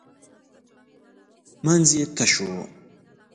منځ یې تش و .